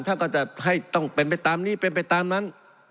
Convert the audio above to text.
ท่านก็จะให้ต้องเป็นไปตามนี้เป็นไปตามนั้น